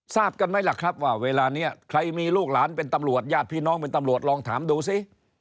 ทราบกันไหมล่ะครับว่าเวลานี้ใครมีลูกหลานเป็นตำรวจญาติพี่น้องเป็นตำรวจลองถามดูสิ